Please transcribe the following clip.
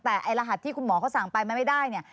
แต่ไอ้รหัสที่คุณหมอเขาสั่งไปมันไม่ได้เนี่ย